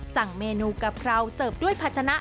สั่งเมนูกะเพราเสิร์ฟด้วยผัชนะ